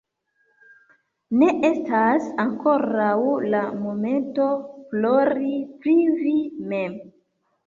Ne estas ankoraŭ la momento, plori pri vi mem.